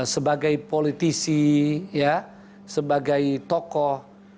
sebagai politisi sebagai tokoh